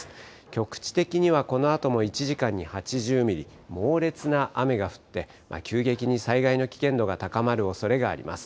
局地的にはこのあとも１時間に８０ミリ、猛烈な雨が降って、急激に災害の危険度が高まるおそれがあります。